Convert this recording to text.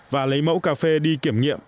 và lấy mẫu cà phê đi kiểm nghiệm